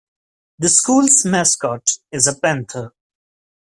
The school's mascot is a panther.